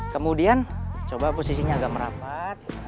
kemudian coba posisinya agak merapat